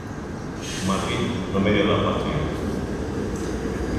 Madrid, no medio da patria.